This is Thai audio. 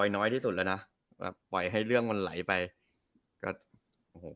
น้อยที่สุดแล้วนะแบบปล่อยให้เรื่องมันไหลไปก็โอ้โห